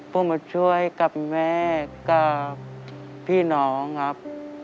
ผมมาช่วยกับแม่กับพี่น้องครับ